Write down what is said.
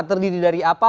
terdiri dari apa